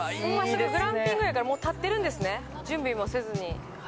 グランピングって、もう建ってるんですね、準備もせずに。